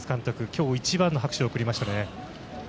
今日一番の拍手を送りましたね。